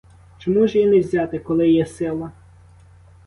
Чому ж і не взяти, коли є сила?